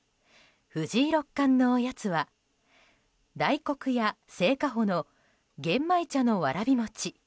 藤井六冠のおやつは大黒屋製菓舗の玄米茶のわらび餅。